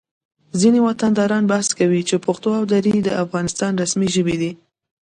ځینې وطنداران بحث کوي چې پښتو او دري د افغانستان رسمي ژبې دي